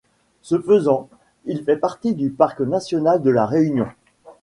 Ce faisant, il fait partie du parc national de La Réunion.